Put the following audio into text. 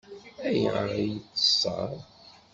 Ayɣer i yi-teṣṣeṛ?